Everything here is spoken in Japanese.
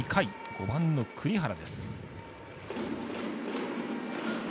５番の栗原です。